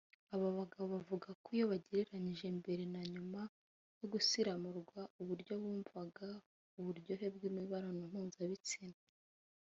Aba bagabo bavuga ko iyo bagereranyije mbere na nyuma yo gusiramurwa uburyo bumvaga uburyohe bw’imibonano mpuzabitsina